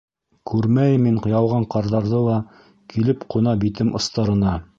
Күрмәйем мин яуған ҡарҙарҙы ла, Килеп ҡуна битем остарына.